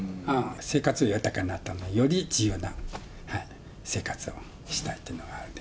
生活、豊かになったので、より自由な生活をしたいっていうのがあるんで。